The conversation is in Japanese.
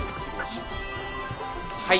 はい。